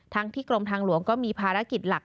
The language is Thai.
ที่กรมทางหลวงก็มีภารกิจหลัก